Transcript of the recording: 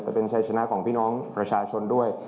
ไปเป็นชัยชนะของพี่น้องประชาชนด้วย